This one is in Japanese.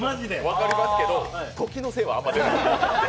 分かりますけど、時のせいはあんまりよくない。